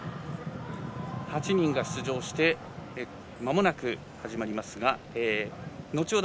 ８人が出場してまもなく始まりますが後ほど